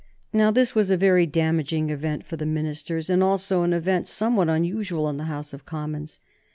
Now this was a very damaging event for the ministers, and also an event somewhat unusual in the House of Commons.